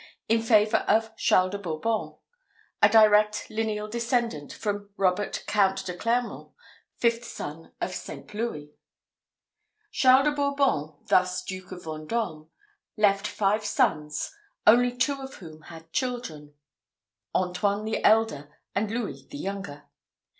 in favour of Charles de Bourbon, a direct lineal descendant from Robert Count de Clermont, fifth son of Saint Louis. Charles de Bourbon, thus Duke of Vendome, left five sons, only two of whom had children, Antoine the elder, and Louis the younger.